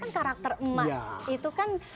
kan karakter emak itu kan